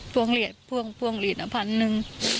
พวงเลียร์พวงธนาภัณฑ์นึง